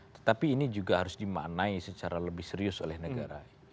tetapi ini juga harus dimaknai secara lebih serius oleh negara